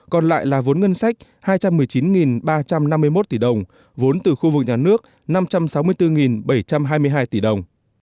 còn lại là vốn ngân sách hai trăm một mươi chín ba trăm năm mươi một tỷ đồng vốn từ khu vực nhà nước năm trăm sáu mươi bốn bảy trăm hai mươi hai tỷ đồng